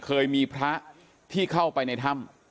เคยมีพระที่เข้าไปในถ้ำ